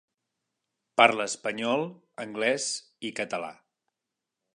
Parla espanyol, anglès i català.